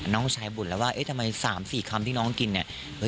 น้องชายบ่นแล้วว่าเอ๊ะทำไม๓๔คำที่น้องกินเนี่ย